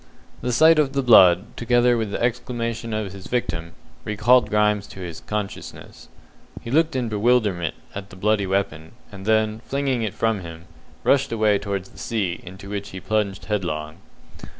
The sight of the blood, together with the exclamation of his victim, recalled Grimes to consciousness. He looked in bewilderment at the bloody weapon, and then, flinging it from him, rushed away towards the sea, into which he plunged headlong.